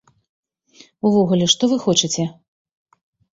Увогуле, што вы хочаце?